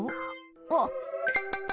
あっ。